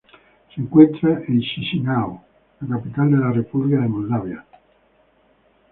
Se encuentra en Chisináu, la capital de la república de Moldavia.